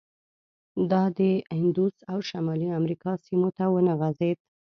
دا د اندوس او شمالي امریکا سیمو ته ونه غځېد.